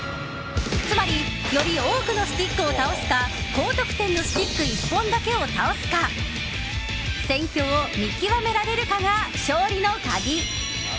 つまりより多くのスティックを倒すか高得点のスティック１本だけを倒すか戦況を見極められるかが勝利の鍵。